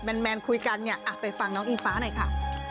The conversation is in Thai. แบบแมนคุยกันไปฟังน้องอิงฟ้าหน่อยค่ะ